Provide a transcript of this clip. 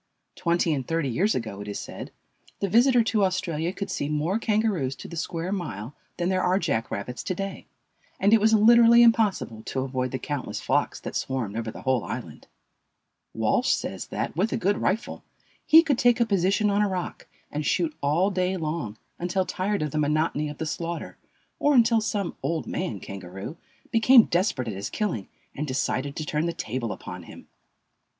Twenty and thirty years ago, it is said, the visitor to Australia could see more Kangaroos to the square mile than there are jack rabbits to day, and it was literally impossible to avoid the countless flocks that swarmed over the whole island. Walsh says that, with a good rifle, he could take a position on a rock and shoot all day long, until tired of the monotony of the slaughter, or until some "old man" kangaroo became desperate at his killing and decided to turn the table upon him.